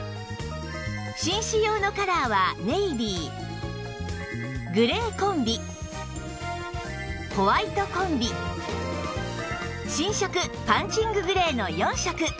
紳士用のカラーはネイビーグレーコンビホワイトコンビ新色パンチンググレーの４色